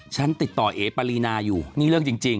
ฉันติดต่อเอ๋ปารีนาอยู่นี่เรื่องจริง